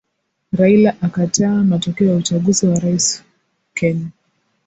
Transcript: Raila akataa matokeo ya uchaguzi wa rais Kenya